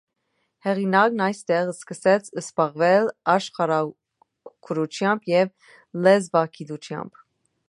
Հեղինակն այստեղ սկսեց զբաղվել աշխարհագրությամբ և լեզվագիտությամբ։